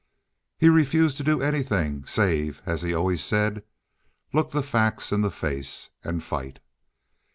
He refused to do anything save as he always said, "Look the facts in the face" and fight.